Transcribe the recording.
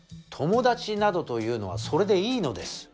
友達などというのはそれでいいのです。